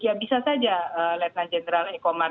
ya bisa saja lieutenant general